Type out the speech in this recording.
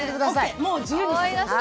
もう自由に。